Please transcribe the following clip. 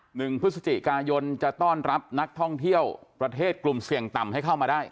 หนึ่งพฤศจิกายนจะต้อนรับนักท่องเที่ยวประเทศกลุ่มเสี่ยงต่ำให้เข้ามาได้